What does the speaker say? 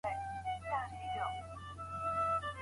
ولي ځايي واردوونکي کرنیز ماشین الات له پاکستان څخه واردوي؟